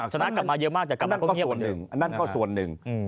ชนะกลับมาเยอะมากแต่กลับมาก็มีส่วนหนึ่งอันนั้นก็ส่วนหนึ่ง